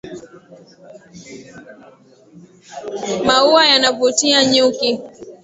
Maua yanavutia nyuki.